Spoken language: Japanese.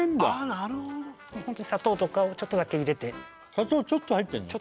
なるほど砂糖とかをちょっとだけ入れて砂糖ちょっと入ってんの？